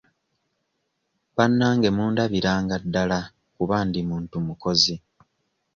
Bannange mundabiranga ddala kuba ndi muntu mukozi.